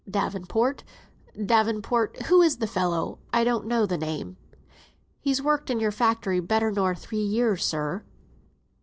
"Davenport Davenport; who is the fellow? I don't know the name." "He's worked in your factory better nor three year, sir."